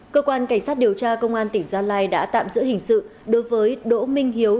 cơ quan cảnh sát điều tra công an tỉnh gia lai đã tạm giữ hình sự đối với đỗ minh hiếu